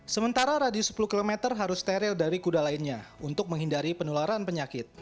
sementara radius sepuluh km harus steril dari kuda lainnya untuk menghindari penularan penyakit